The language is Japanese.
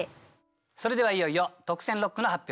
それではいよいよ特選六句の発表です。